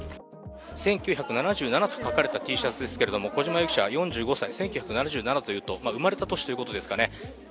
１９７７と書かれたＴシャツですけれども小島容疑者は４５歳、１９７７というと生まれた年ということですかね。